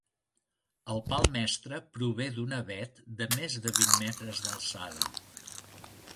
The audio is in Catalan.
El pal mestre prové d’un avet de més de vint metres d’alçada.